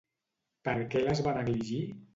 Per què les va negligir?